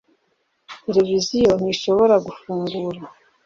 televiziyo ntishobora gufungura